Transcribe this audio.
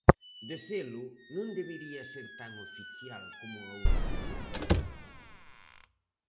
De selo, ¿non debería ser tan oficial como a outra lingua?